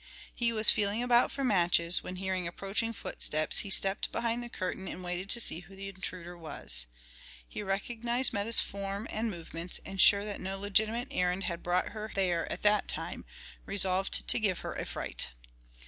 He was feeling about for matches, when hearing approaching footsteps he stepped behind the curtain and waited to see who the intruder was. He recognized Meta's form and movements, and sure that no legitimate errand had brought her there at that time, resolved to give her a fright.